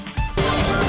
sudah diperlukan oleh